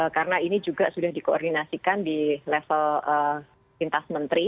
karena ini juga sudah dikoordinasikan di level pintas menteri